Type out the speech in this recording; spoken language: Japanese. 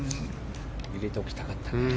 入れときたかったね。